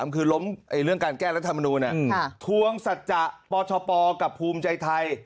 คือล้มเรื่องการแก้รัฐมนูลทวงสัจจะปชปกับภูมิใจไทย